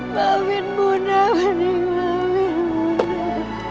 maafin bunda bening maafin bunda